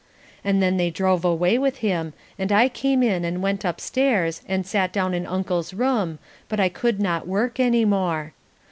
And then they drove away with him and I came in and went upstairs and sat down in Uncle's room but I could not work any more.